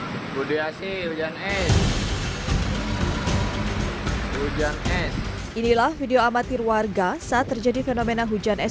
hai budi asyik hujan es hujan es inilah video amatir warga saat terjadi fenomena hujan es